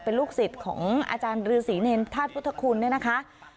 เป็นลูกศิษย์ของอาจารย์ฤษีเนรธาตุพุทธคุณเนี่ยนะคะ